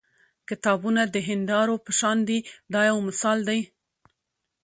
کتابونه د هیندارو په شان دي دا یو مثال دی.